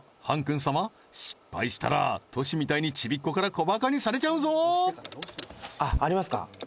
ＨＡＮ−ＫＵＮ様失敗したらとしみたいにチビっ子から小バカにされちゃうぞあっありますか？